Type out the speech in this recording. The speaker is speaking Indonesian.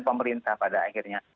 pemerintah pada akhirnya